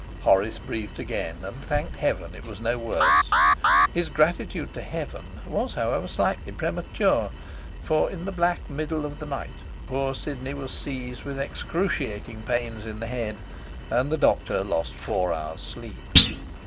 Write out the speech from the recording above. Horace breathed again, and thanked Heaven it was no worse. His gratitude to Heaven was, however, slightly premature, for in the black middle of the night poor Sidney was seized with excruciating pains in the head, and the doctor lost four hours' sleep.